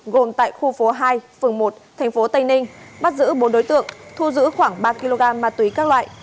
gồm tại khu phố hai phường một tp tây ninh bắt giữ bốn đối tượng thu giữ khoảng ba kg ma túy các loại